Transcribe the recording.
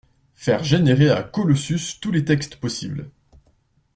faire générer à Colossus tous les textes possibles